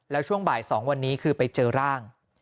แล้วช่วงบ่าย๒วันนี้คือไปเจอร่าง